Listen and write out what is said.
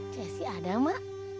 cesi ada mak